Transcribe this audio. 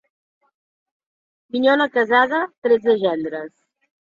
Minyona casada, tretze gendres.